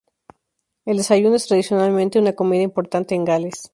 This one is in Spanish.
El desayuno es tradicionalmente una comida importante en Gales.